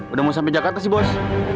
udah mau sampai jakarta sih bos